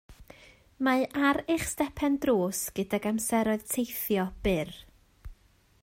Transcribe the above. Mae ar eich stepen drws gydag amseroedd teithio byr